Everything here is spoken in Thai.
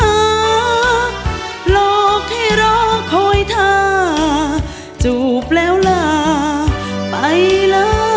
หลอกให้รอคอยท่าจูบแล้วลาไปเลย